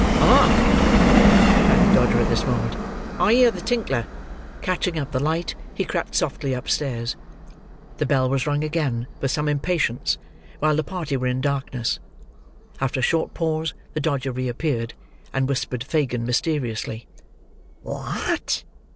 "Hark!" cried the Dodger at this moment, "I heard the tinkler." Catching up the light, he crept softly upstairs. The bell was rung again, with some impatience, while the party were in darkness. After a short pause, the Dodger reappeared, and whispered Fagin mysteriously. "What!"